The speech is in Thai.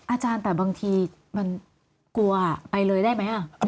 อาจารย์แต่บางทีมันกลัวไปเลยได้ไหม